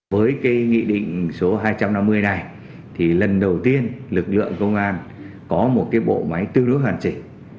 với cái nghị định số hai trăm năm mươi này thì lần đầu tiên lực lượng công an có một cái bộ máy tương đối hoàn chỉnh